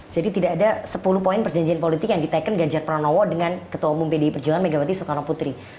jadi tidak ada sepuluh poin perjanjian politik yang diteken ganjar pranowo dengan ketua umum pdi perjuangan megawati soekarnoputri